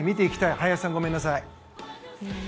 林さん、ごめんなさい。